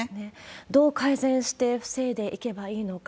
どう改善して防いでいけばいいのか。